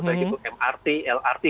baik itu mrt lrt